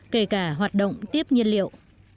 kể cả hoạt động tiếp nhiên liệu